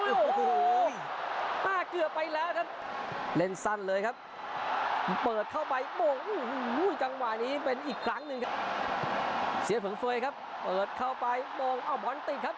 โหลูกขุกขีบต้องระวังครับ